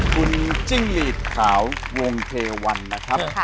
คุณจิ้งหลีดขาววงเทวันนะครับ